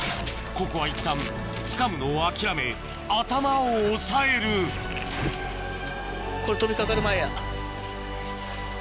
ここはいったんつかむのを諦め頭を押さえるこれ飛び掛かる前や。